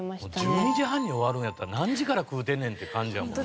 １２時半に終わるんやったら何時から食うてんねんって感じやもんな。